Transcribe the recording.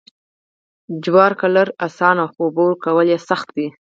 جوار کرل اسانه خو اوبه کول یې سخت دي.